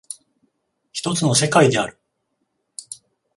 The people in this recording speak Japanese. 一つの世界である。